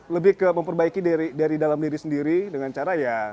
lebih ke memperbaiki dari dalam diri sendiri dengan cara ya